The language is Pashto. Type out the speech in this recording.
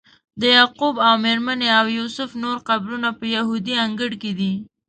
د یعقوب او میرمنې او یوسف نور قبرونه په یهودي انګړ کې دي.